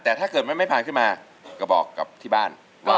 แต่ถ้าไม่ผ่านขึ้นมาก็บอกที่บ้าน